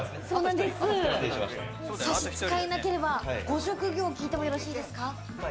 差し支えなければ、ご職業を聞いてもよろしいですか？